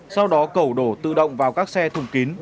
sau đó cầu đổ tự động vào các xe thùng kín